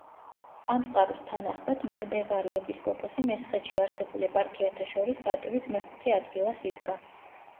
ამ წყაროს თანახმად მტბევარი ეპისკოპოსი მესხეთში არსებულ ეპარქიათა შორის პატივით მეხუთე ადგილას იდგა.